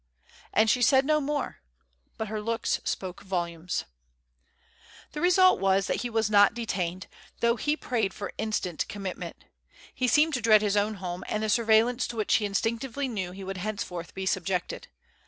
And she said no more, but her looks spoke volumes. The result was that he was not detained, though he prayed for instant commitment. He seemed to dread his own home, and the surveillance to which he instinctively knew he would henceforth be subjected.